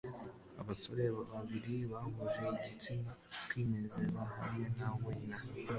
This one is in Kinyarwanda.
abasore babiri bahuje igitsina kwinezeza hamwe na weiner